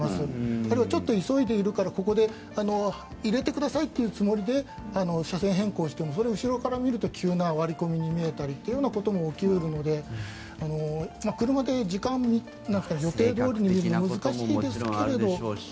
あるいはちょっと急いでいるからここで入れてくださいというつもりで車線変更してもそれは後ろから見ると急な割り込みということも起き得るので車で時間を見ないで予定どおりにいくことは難しいですけれど。